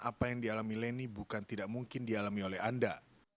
apa yang dialami leni bukan tidak mungkin dialami oleh anda